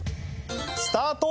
スタート！